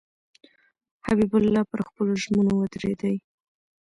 حبیب الله پر خپلو ژمنو ودرېدی.